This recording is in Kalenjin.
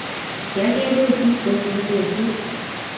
kiageer pusit kosupii sesee